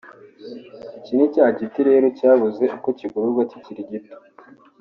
Iki ni cya giti rero cyabuze uko kigororwa kikiri gito